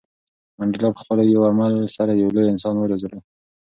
منډېلا په خپل یو عمل سره یو لوی انسان وروزلو.